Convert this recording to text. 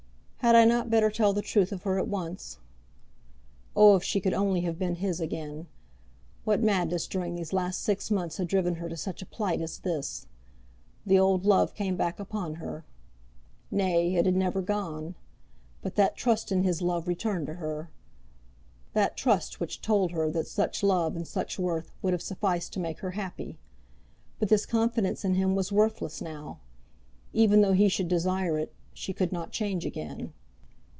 Had I not better tell the truth of her at once? Oh, if she could only have been his again! What madness during these last six months had driven her to such a plight as this! The old love came back upon her. Nay; it had never gone. But that trust in his love returned to her, that trust which told her that such love and such worth would have sufficed to make her happy. But this confidence in him was worthless now! Even though he should desire it, she could not change again.